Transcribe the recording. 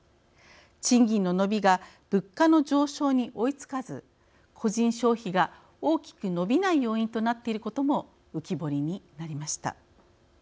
賃金の伸びが物価の上昇に追いつかず個人消費が大きく伸びない要因となっていることも浮き彫りになりました。